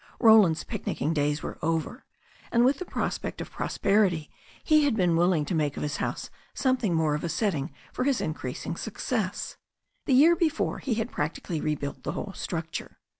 Roland's picnicking days were over, and with the pros pect of prosperity he had been willing to make of his house something more of a setting for his increasing success. The year before he had practically rebuilt the whole structure.